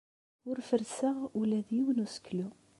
Ur ferrseɣ ula d yiwen n useklu.